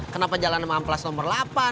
kenapa jalan emas kelas nomor delapan